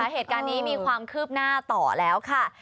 เหตุการณ์นี้มีความคืบหน้าต่อแล้วค่ะ